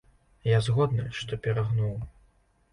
Я згодны, што перагнуў.